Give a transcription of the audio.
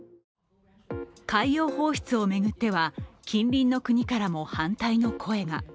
海洋放出を巡っては近隣の国からも反対の声が。